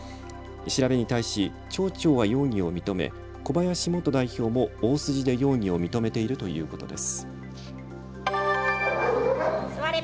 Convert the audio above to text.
調べに対し町長は容疑を認め小林元代表も大筋で容疑を認めているということです。